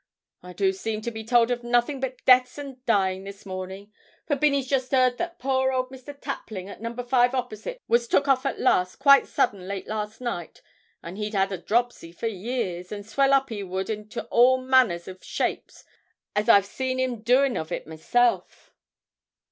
I do seem to be told of nothing but deaths and dying this morning, for Binney's just 'eard that poor old Mr. Tapling, at No. 5 opposite, was took off at last quite sudden late last night, and he'd had a dropsy for years, and swell up he would into all manner o' shapes as I've seen him doin' of it myself!'